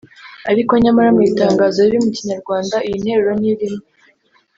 ” Ariko nyamara mu itangazo riri mu Kinyarwanda iyi nteruro ntirimo